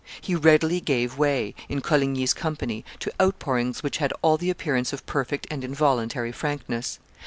He readily gave way, in Coligny's company, to outpourings which had all the appearance of perfect and involuntary frankness.